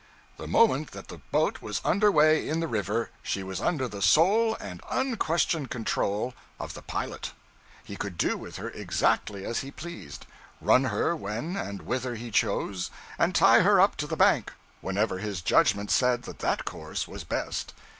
The moment that the boat was under way in the river, she was under the sole and unquestioned control of the pilot. He could do with her exactly as he pleased, run her when and whither he chose, and tie her up to the bank whenever his judgment said that that course was best.